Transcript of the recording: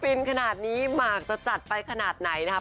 อินขนาดนี้หมากจะจัดไปขนาดไหนนะครับ